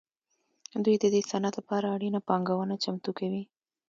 دوی د دې صنعت لپاره اړینه پانګونه چمتو کوي